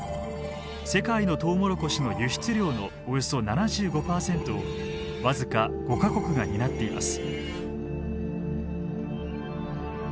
世界のトウモロコシの輸出量のおよそ７５％を僅か５か国が担っています。